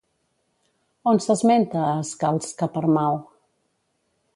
On s'esmenta a Skáldskaparmál?